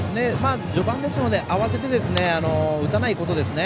序盤ですので慌てて打たないことですね。